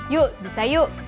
yuk bisa yuk